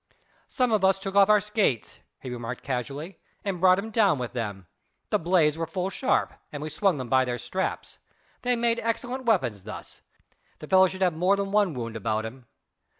"Some of us took off our skates," he remarked casually, "and brought him down with them. The blades were full sharp, and we swung them by their straps; they made excellent weapons thus; the fellow should have more than one wound about him."